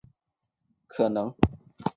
使增强子与及的相互作用成为可能。